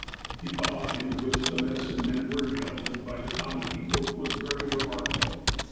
The awe in which the medicine men were held, by the common people, was very remarkable.